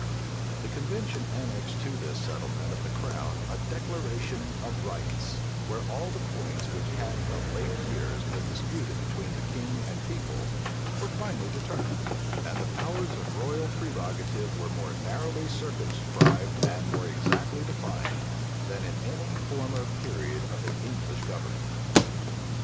The convention annexed to this settlement of the crown a declaration of rights, where all the points which had of late years been disputed between the king and people, were finally determined; and the powers of royal prerogative were more narrowly circumscribed and more exactly defined, than in any former period of the English government.